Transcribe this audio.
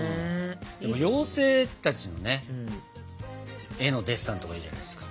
でも妖精たちのね絵のデッサンとかいいじゃないですか。